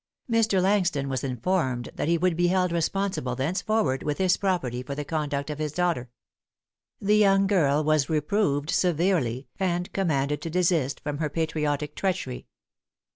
Mr. Langston was informed that he would be held responsible thenceforward, with his property, for the conduct of his daughter. The young girl was reproved severely, and commanded to desist from her patriotic treachery.